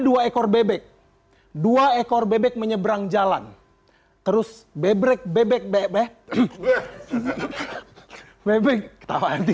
dua ekor bebek dua ekor bebek menyeberang jalan terus bebrek bebek bebek bebek bebek